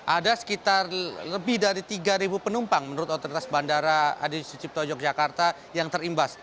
ada sekitar lebih dari tiga penumpang menurut otoritas bandara adi sucipto yogyakarta yang terimbas